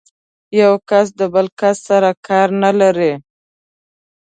یو کس د بل کس سره کار نه لري.